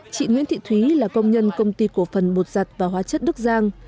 chị nguyễn thị thúy là công nhân công ty cổ phần bột giặt và hóa chất đức giang